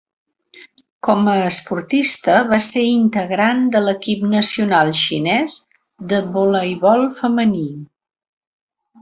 Com a esportista va ser integrant de l'equip nacional xinès de voleibol femení.